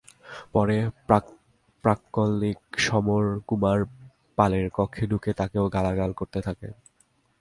পরে প্রাক্কলনিক সমর কুমার পালের কক্ষে ঢুকে তাঁকেও গালাগাল করতে থাকেন।